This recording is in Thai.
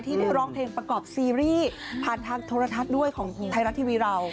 ได้ร้องเพลงประกอบซีรีส์ผ่านทางโทรทัศน์ด้วยของไทยรัฐทีวีเรา